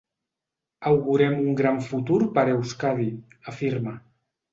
Augurem un gran futur per Euskadi, afirma.